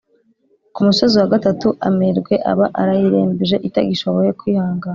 ku musozi wa gatatu, amerwe aba arayirembeje itagishoboye kwihangana;